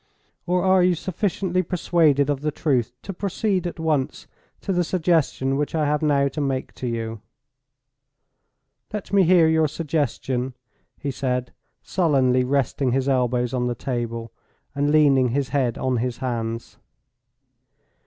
"Or are you sufficiently persuaded of the truth to proceed at once to the suggestion which I have now to make to you?" "Let me hear your suggestion," he said, sullenly resting his elbows on the table, and leaning his head on his hands. Mrs.